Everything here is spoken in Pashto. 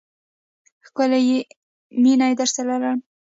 ښکلی یې، مینه درسره لرم